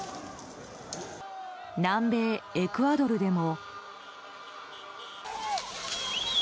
南米エクアドルでも。